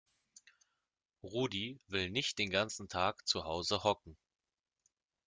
Rudi will nicht den ganzen Tag zu Hause hocken.